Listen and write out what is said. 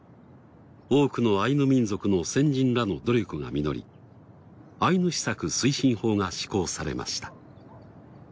多くのアイヌ民族の先人らの努力が実りアイヌ施策推進法が施行されました。